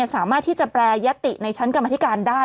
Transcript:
สามารถที่จะแปรยติในชั้นกรรมธิการได้